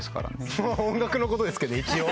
音楽のことですけど一応。